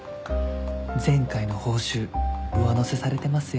前回の報酬上乗せされてますよ。